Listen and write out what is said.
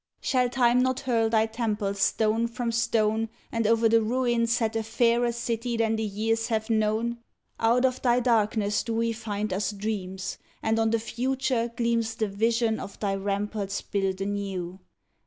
Shall Time not hurl thy temples stone from stone, And o er the ruin set A fairer city than the years have known? Out of thy darkness do we find us dreams, And on the future gleams The vision of thy ramparts built anew.